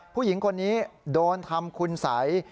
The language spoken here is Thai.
ผู้หญิงคนนี้โดนทำคุณสัย